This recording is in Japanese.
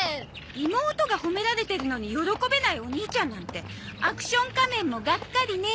妹が褒められてるのに喜べないお兄ちゃんなんてアクション仮面もがっかりね。